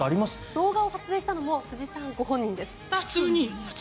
動画を撮ったのも藤さんご本人です。